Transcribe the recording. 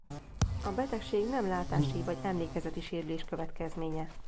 A betegség nem látási vagy emlékezeti sérülés következménye.